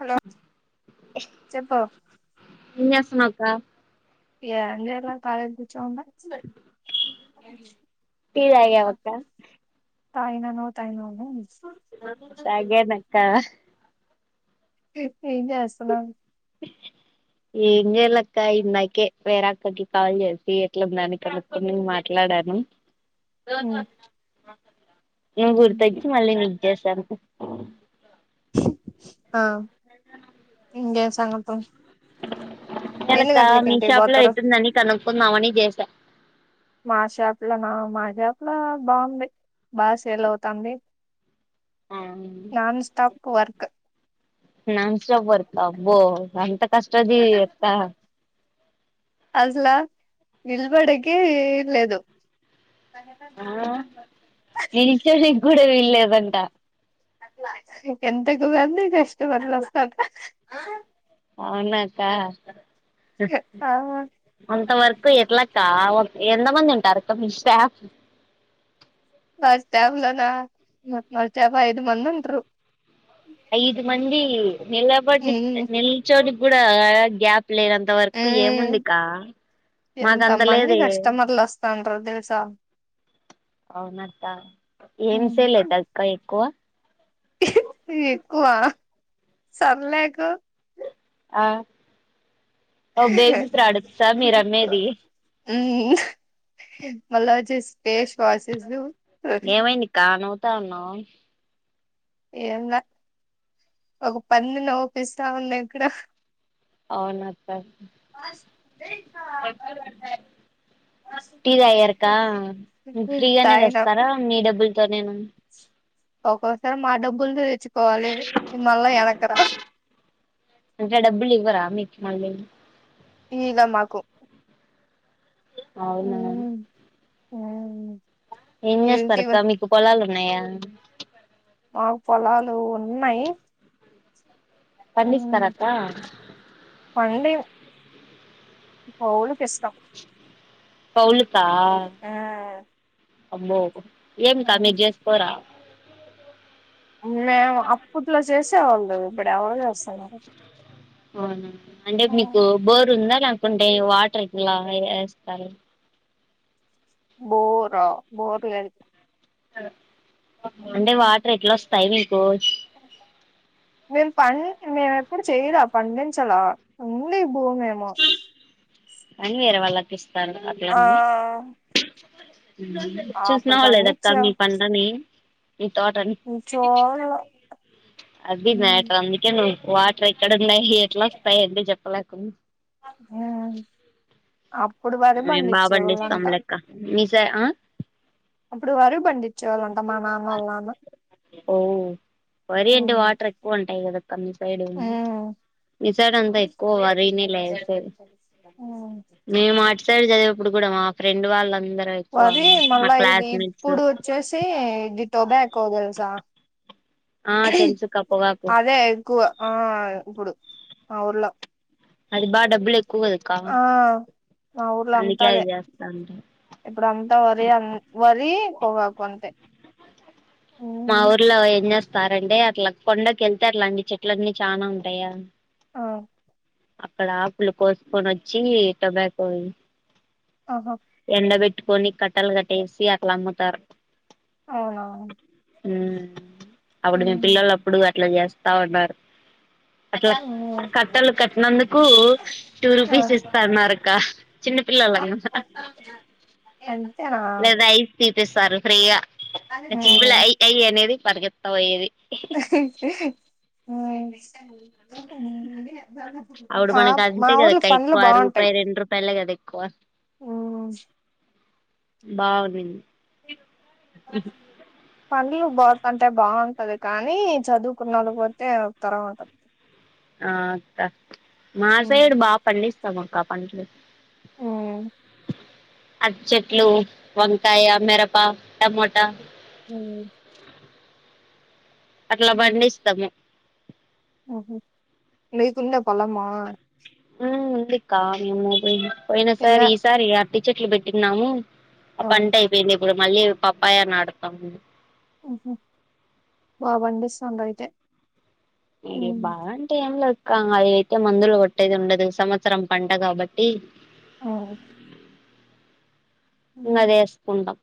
Hello చెప్పు ఏం చేస్తున్నావ్ అక్క ఏం జయలా కాలిగా కూర్చొని ఉన్న తీదాగవక్క తాగిన నువ్ తాగినవ ఉమ్స్ తాగనక్క ఉ ఏం జేస్తున్నావ్ ఏం చేయలక్క ఇందాకే వేర అక్కకి కాల్ చేసి ఎట్ల ఉందని కనుకొని మాట్లాడాను నువు గుర్తచ్చి మళ్ళీ నీకు చేసను ఆ ఇంగేమ్ సంగతులు ఎన్ని ఎలక్క గంటలకి మీ ఇంటికి షాప్ లో పోతారు ఎట్ ఉందని కనుక్కుందామని చేసా మా షాప్ లో నా మా షాప్ లో బాగుంది బా సేల్ అవుతాంది ఆ non stop work non stop work ఆ అబ్బో ఎంత కష్ట జీవి ఎట్టా అసల ఇల్బడకి లేదు నిల్చోనికి కూడా వీల్లేదంట ఎంతకు మంది కష్టమర్లు వస్తా అవునక ఆ అంత వరకు ఎట్ల కా ఓక్ ఎంత మంది ఉంటారు అక్క మీ ష్టా బస్ స్టాప్ లోనా బస్ స్టాప్ ఐదు మంది ఉంట్రు ఐదు మంది నిలబడ్ది ఉమ్ నిల్చోడి కూడా గ్యాప్ లేనంత వరకు ఉమ్ ఏముందికా మాకంత లేదే సన్రూఫ్ దెల్సా? అవునత్త ఏం సేలైతే అక్క ఎక్కువ ఎక్కువా సర్లేకు ఆ ఓ బేబీ ప్రాడెక్ట్సా మీరు అమ్మేది ఉమ్ మళ్ళా వచ్చేస్ ఫేస్ వాషెషూ ఏమైందిక్కా నవ్వుతా ఉన్నావ్? ఏంలే ఒక పంది నొవ్పిస్తా ఉంది ఇక్కడ అవునక్క టీ తాగారక్కా ఉమ్ ఫ్రీగానే తాగినం తెస్తారా మీ డబ్బుల్తో నేనా ఒక్కోసారి మా డబ్బుల్ తో తెచ్చు కోవాలి మళ్లా ఎనక్రాద్ మళ్లీ ఈలా మాకు అవునా? ఆ ఏం చేస్తారు అక్క మీకు పొలాలు ఉన్నాయా? మాకు పొలాలు ఉన్నాయ్ ఉమ్ పండిస్తారక్క పండిమ్ కౌలుకి ఇస్తాం పౌలుకా అబ్బో ఏం కా మీర్ చేస్కోరా? మేము అప్పుట్లో చేసేవాళ్ళు ఇప్పుడు ఎవరు చేస్తన్నారు అవునా అంటే మీకు బోర్ ఉందా లేకుంటే వాటర్ ఇట్లా ఏస్తారు బోరా బోర్ లేదు అంటే వాటర్ ఎట్లా వస్తాయ్ మీకు ఆ మేము పం మేము ఎప్పుడు చెయ్యలా పండించలా ఉంది భూమి ఏమో కానీ వేరే వాళ్ళకి ఇస్తారు అట్లని ఆ ఆ అప్పుడు చూసినావా లేదక్క పండించా మీ పంటని మీ తోటని చూడల అది ఉమ్ మ్యాటర్ అందుకే నువ్వు వాటర్ ఎక్కడ ఉన్నాయ్ ఎట్లా వస్తాయ్ అంటే చెప్పలేక్ ఊమ్ అప్పుడు వరి మేం బా పండిస్తాం పండించేవాళ్ళంట లెక్క మీ సై ఆ అప్పుడు వరి పండి చ్చేవాలంటా మా నాన్న వాళ్ నాన్న ఓ వరి అంటే ఉమ్ వాటర్ ఎక్కువ ఉంటాయ్ కదా కా మీ సైడు ఉమ్ మీ సైడ్ అంతా ఎక్కువ వరినే లే ఏసేది ఉమ్ మేము అటు సైడ్ చదివేప్పుడు కూడా మా ఫ్రెండ్ వాళ్ళ వరి మళ్ళా ఇది ఇప్పుడు వచ్చేసి ఇది టోబాకో దెల్సా ఆ తెలుసుక్క పొగాకు అదే ఎక్కువ ఆ ఇప్పుడు మా ఊర్లో అది బా డబ్బులు ఎక్ ఆ మా ఊర్లో అంతా అందుకే అది అదే చేస్తా ఉంటారు ఇప్పుడు అంతా వరి అం వరి పోగాకు అంతే మా ఉమ్ ఊర్లో ఏం చేస్తారంటె అట్లా కొండకి వెళ్తే అట్లాంటి చెట్లన్నీ చానా ఉంటాయా ఆ అక్కడ ఆకులు కోసుకొని వచ్చి టొబాకో ఆహా ఎండ బెట్టుకొని కట్టలు కట్టేసి అట్ల అమ్ముతారు అవునా ఉం అప్పుడు మేం పిలోల్లు అప్పుడు అట్లా చేస్తా ఉన్నారు అట్లా ఉం కట్టలు కట్టినందుకు టూ రూపీస్ ఇస్తన్నారుక్క చిన్న పిల్లలంగ ఎ లేదా ఐస్ తీపిస్తారు ఫ్రీగా మా చిల [unintelligible] అ అఐ అనేది పరిగెత్తా పోయ్యేది [unintelligible] అప్పుడు మా మనకు మా అంతే కదా ఊర్లో అక్క పనులు ఎక్కువ బాగుంటాయి రూపాయి రెండు రూపాయలే కదా ఎక్కువ ఉం బాగుండింది పనులు పోతంటే అంటే బాగుంటది కానీ చదువుకున్న వాళ్ళు పోతే ఒక తరా ఉంటది ఆ అక్క మా సైడు బాగా పండిస్తాం అక్క పంటలు అరటి చెట్లు వంకాయ మిరప టమోటా ఉం అట్లా పండిస్తాము ఆహ మీకుందా పోలమా ఉం ఉంది అక్క మేము పోయినా ఎన్న సారి ఈసారి అరటి చెట్లు పెట్టిన్నాము ఆ పంట అయిపోయింది ఇప్పుడు మళ్ళీ పప్పాయే నాటతాము ఆహా బాగ పండిస్తున్నారు అయితే ఇగ బాగ అంటే ఏమ్ లేదు అయ్యి అయితే మందులు కొట్టేది ఉండదు సంవత్సరం పంట కాబట్టి ఆ ఇంగ అది వేసుకుంటాం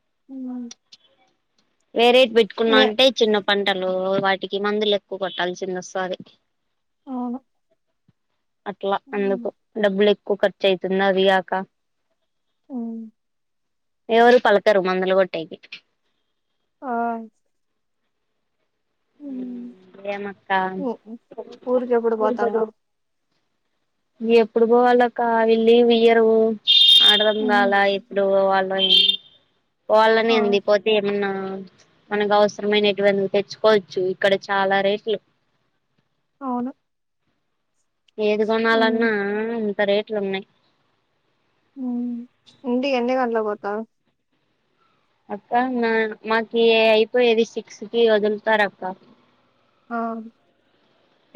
[inaudible] వేరేటి పెట్టుకున్నా మే అంటే చిన్న పంటలు వాటికి మందులు ఎక్కువ కొట్టాల్సింది వస్తాది అవును అట్లా అందుకు డబ్బులు ఎక్కువ ఖర్చు అయితుంది అవి గాక అవును ఎవరు పలకరు మందలు గొట్టేకి ఆ ఉం ఏమ్ అక్క ఉ ఊరికి ఎప్పుడు పోతాండవ్ ఇంగ ఎప్పుడు పోవాలా అక్క వీళ్ళు లీవ్ ఇయ్యరు అర్థం కాల ఎప్పుడు వాల్ పోవాలని ఆ ఉంది పోతే ఏమన్నా మనకు అవసరమైనటువంటి తెచ్చుకోవచ్చు ఇక్కడ చాలా రేట్లు అవును ఏది ఉమ్ కొనాలన్నా ఇంత రేట్లు ఉన్నాయి ఉం ఇంటి ఎన్ని గంటలకు పోతావ్ అక్క నా మాకు అయిపోయేది సిక్స్ కి వదులుతారు అక్క ఆ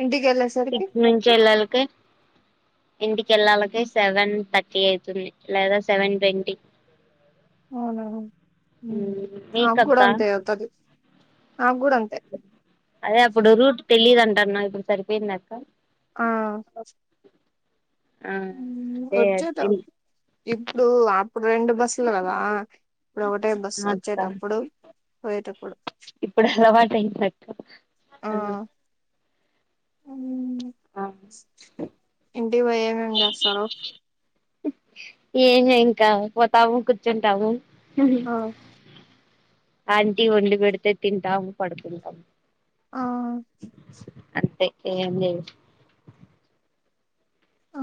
ఇంటి కేళ్ళేసరికి కే ఇంటి కేళ్ళాలకి సెవెన్ థర్టీ అయితుంది లేదా సెవెన్ ట్వంటీ అవునా ఉమ్ నాక్కూడ మీకక్క అంతే అవుతది నాక్కూడం అదే అప్పుడు రూట్ తెలీదంటన్నవ్ ఇప్పుడు సరిపోయిందక్కా ఆ ఆ ఉమ్ అదే వచ్చేట అట్టిన్ ఇప్పుడు అప్పుడు రెండు బస్సులు కదా ఇప్పుడు ఒకటే బస్సు వచ్చేటప్పుడు పోయేటప్పుడు ఇప్పుడలవాటైందక్క ఆ ఉమ్ ఇంటికి పోయి ఏమేం చేస్తారు ఏంలే ఇంకా పోతాము కూర్చుంటాము ఆ ఆంటీ వండి పెడితే తింటాము పడుకుంటాము ఆ తే ఏం లేదు ఆ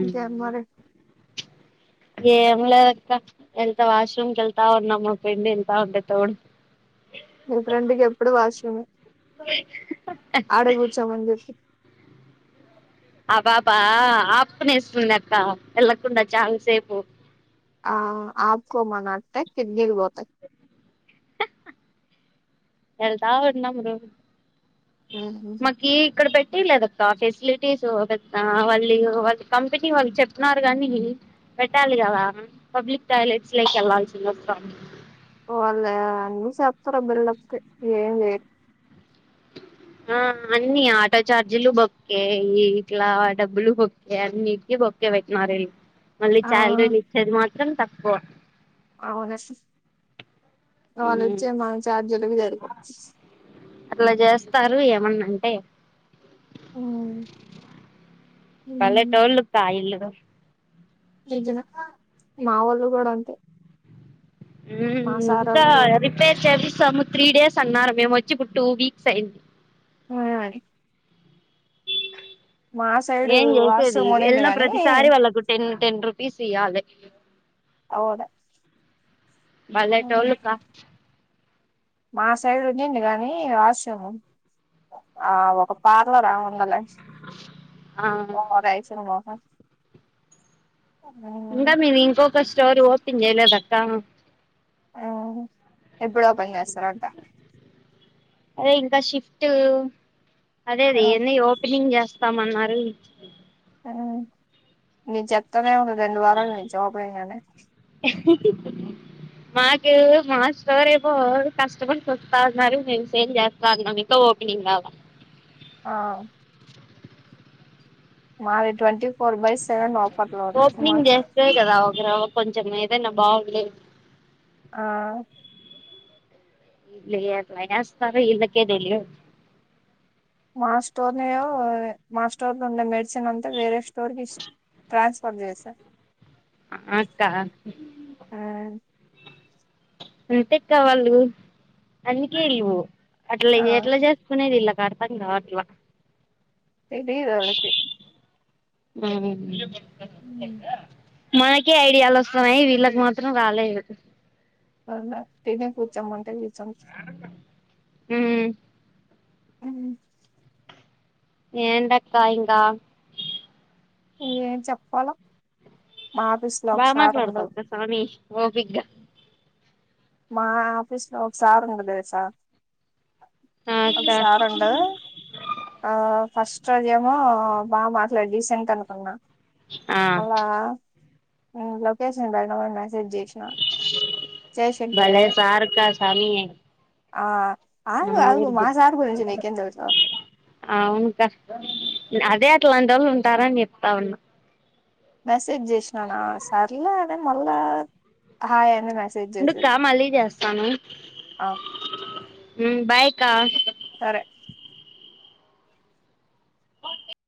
ఇంకేం మరి ఏం లేదక్క వెళ్తా వాష్రూమ్ కెళ్తా ఉన్నా మా ఫ్రెండు వెళ్తా ఉంటే తోడు అ మీ ఫ్రెండ్కి ఎప్పుడు వాష్రూమే ఆడే కూర్చోమని చెప్పు ఆ పాపా అపుకునేస్తుందక్క వెళ్ళకుండా చాల్సేపు ఆ ఆపుకోమనట్నే కిడ్నీలు పోతయ్ వెళ్తా ఉన్నామ్ రో మాకి ఇక్కడ పెట్ పెట్టియ్యలేదక్క ఫెసిలిటీస్ పెద్ద వాళ్ళి వాళ్ళు కంపెనీ వాళ్ళు చెప్పినారు గానీ పెట్టాలి కదా పబ్లిక్ టాయిలెట్స్ లోక్ వెళ్లాల్సింది వస్తాంది ఓ అల్లా అన్ని సేత్తరు బిళ్ళోత్తే ఏం లేద్ ఆ అన్ని ఆటో చార్జీలు బొక్కే, ఇట్లా డబ్బులు బొక్కే, అన్నిటికి బోక్కే పెట్టినారే మళ్ళీ ఆ చాలిరీలు ఇచ్చేది మాత్రం తక్కువ అవునా సిస్ వాళ్ళిచ్చేవి మన చార్జిలకు సరిపోవు మెున్నంటే బలేటోల్లక్క ఈళ్ళు నిజన మా వోళ్ళు కూడా అంతే మా ఉమ్ సార్ ఇంకా వాళ్ళు కూడా రిపేర్ చేపిస్తాము త్రీ డేస్ అన్నారు మేము వచ్చి ఇప్పుడు టూ వీక్స్ అయింది ఆ సైడ్ ఏం వాష్రూమ్ చేసేదిలేద్ ఉన్నింది వెళ్ళిన గాని ప్రతిసారి వాళ్ళకు టెన్ టెన్ రూపీస్ ఇయ్యాలే అవును బలేటోళ్ళుకా మా సైడ్ ఉండింది కాని వాష్రూము ఆ ఒక ఒక పార్లరాముందిలే ఆ ఓవరాక్షన్ మెుఖమ్ ఇంగ మీమింకొక స్టోరీ ఓపెన్ చేయలేదక్క ఆ ఎప్పుడోపెన్ చేస్తరంట అదే ఇంకా షిఫ్ట్ అదే ఆ, అది ఏన్ని ఓపెనింగ్ చేస్ స్తామన్నారు ఉమ్ నేన్ చేప్తనే ఉన్న రెండు వారాల నుంచి ఓపెనింగ్ అని మాకు మా స్టార్ రేపు పోవుడు కష్టం అనుకో కాగజ్నగర్ మేం సేమ్ జెత్త అన్నాం మీకూ. ఓ భీమ్ లాగా ఆ మాది ట్వంటీ ఫోర్ బై సెవెన్ ఆ ఓపెనింగ్ చేస్తే కదా ఒకరు కొంచెం ఏదైనా బాగుండేది. ఆ ఈళ్ళు ఎట్నో ఏస్తరు ఇళ్లకేతెలియదు. మా స్టోర్ నేయో మా స్టోర్ లో ఉన్నది, మెడిసిన్ అంతా వేరే స్టోర్ ఇస్ ట్రాన్స్ఫర్ చేసా. ఆ అక్క అంతే అక్క వాళ్ళు అందుకే ఇల్లు అట్ల ఆ ఎట్లా చేసుకునేది ఈల్లకు అర్థం కావట్లా తెదిదాళ్ళకి ఉమ్ ఉమ్ మనకే ఐడియాలు వస్తున్నయి, వీళ్ళకి మాత్రం రాలేదు. అ అమ్మాయి తినే కూచ్చమంటె కూర్చోను ఉమ్ ఉమ్ ఏంటక్క ఇంకా? నువ్వేం ఏం చెప్పాల? బా మాట్లాడతాం గ స్వామి ఓపిగ్గా మా ఆఫీస్ లో ఒకసార్ ఉండు సార్. ఆ ఒక అక్క సార్ ఉండు ఆ ఫస్ట్ రోజ ఏమో బా మాట్లాడి డీసెంట్ అనుకున్నా. అ ఆ లొకేషన్ బెట్టమని మెసేజ్ చేసినా, జయశం వలేసార్కా స్వామి ఆ నా ఆగు ఆగు మొగుడు మా ఊర్దు, సార్ గురించి నీకేం తెలుసు ఆవును కష్టమే. అదే అట్లాంటి ఓళ్ళు ఉంటారని చెప్తాఉన్నా. మెసేజ్ చేసినానా సర్లే అదే మళ్ళా హాయ్ అన్ ఉండక్కమళ్ళీ చేస్తాను, ఆ ఉమ్ బయ్ అక్కా సరే